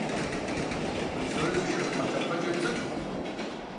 Мы псори зышхыф хьэкӀэкхъуэкӀэр цӀыкӀукъым.